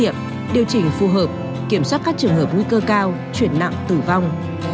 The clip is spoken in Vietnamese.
để đạt được kinh nghiệm điều chỉnh phù hợp kiểm soát các trường hợp nguy cơ cao chuyển nặng tử vong